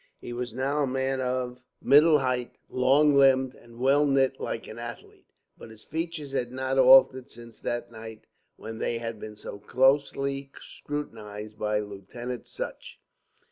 He was now a man of middle height, long limbed, and well knit like an athlete, but his features had not altered since that night when they had been so closely scrutinised by Lieutenant Sutch.